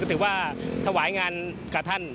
ถือว่าถวายงานกับท่าน